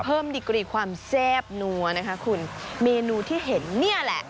เพิ่มดิโกรีความแซ่บนั้นคือเมนูที่เห็นนี่แหละ